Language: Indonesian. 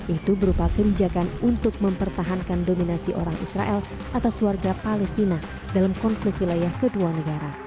itu berupa kebijakan untuk mempertahankan dominasi orang israel atas warga palestina dalam konflik wilayah kedua negara